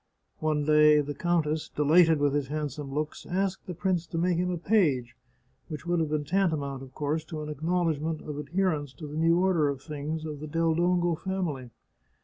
One day the countess, delighted with his hand some looks, asked the prince to make him a page, which would have been tantamount, of course, to an acknowledg ment of adherence to the new order of things of the Del Dongo family.